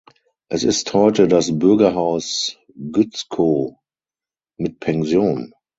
Es ist heute das Bürgerhaus Gützkow mit Pension.